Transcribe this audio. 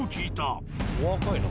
お若いな。